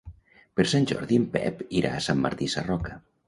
Per Sant Jordi en Pep irà a Sant Martí Sarroca.